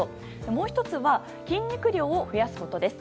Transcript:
もう１つは筋肉量を増やすことです。